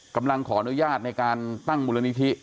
กำลังขออนุญาตในการตั้งมูลนิธิ